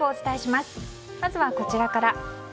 まずはこちらから。